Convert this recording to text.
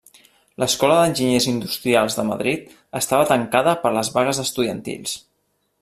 L'Escola d'Enginyers Industrials de Madrid estava tancada per les vagues estudiantils.